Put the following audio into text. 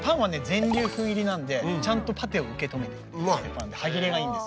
全粒粉入りなんでちゃんとパテを受け止めてくれるパンで歯切れがいいんです。